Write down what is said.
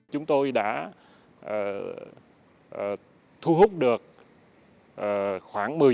chúng tôi đã thu hút được khoảng một mươi